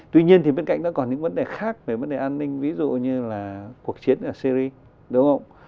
tuy nhiên thì bên cạnh đó còn những vấn đề khác về vấn đề an ninh ví dụ như là cuộc chiến ở syri đúng không